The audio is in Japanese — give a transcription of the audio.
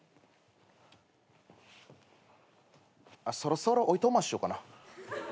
あっそろそろおいとましようかな。